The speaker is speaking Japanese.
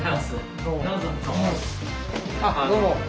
どうも。